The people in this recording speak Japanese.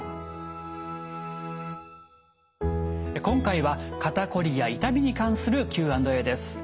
今回は肩こりや痛みに関するＱ＆Ａです。